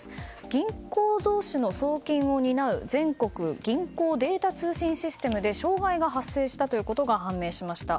銀行同士の送金を担う全国銀行データ通信システムで障害が発生したことが判明しました。